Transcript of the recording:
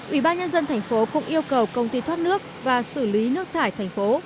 ủy ban nhân dân thành phố cũng yêu cầu công ty thoát nước và xử lý nước thải thành phố